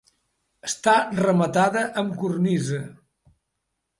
Està rematada amb cornisa.